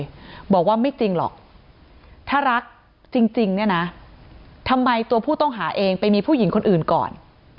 บอกว่าไม่จริงหรอกถ้ารักจริงเนี่ยนะทำไมตัวผู้ต้องหาเองไปมีผู้หญิงคนอื่นก่อน